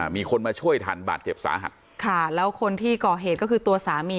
มีคนมาช่วยทันบาดเจ็บสาหัสค่ะแล้วคนที่ก่อเหตุก็คือตัวสามี